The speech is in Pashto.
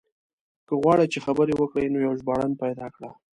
که غواړې چې خبرې وکړو نو يو ژباړن پيدا کړه.